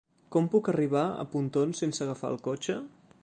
Com puc arribar a Pontons sense agafar el cotxe?